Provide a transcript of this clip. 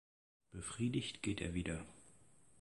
Befriedigt geht er wieder.